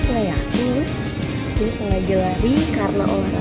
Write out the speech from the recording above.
gua yakin dia sengaja lari karena olahraga